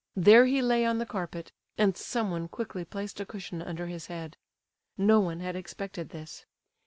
There he lay on the carpet, and someone quickly placed a cushion under his head. No one had expected this.